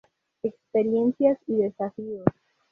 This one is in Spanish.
Experiencias y desafíos.